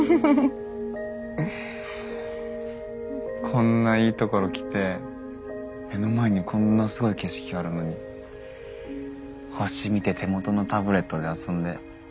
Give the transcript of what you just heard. こんないいところ来て目の前にこんなすごい景色があるのに星見て手元のタブレットで遊んで。